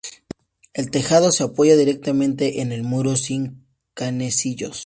El tejado se apoya directamente en el muro, sin canecillos.